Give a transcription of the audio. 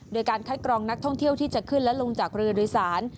โดยการคัดกรองนักท่องเที่ยวที่จะขึ้นและลงจากเรือโดยสาร